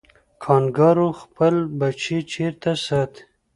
کانګارو خپل بچی چیرته ساتي؟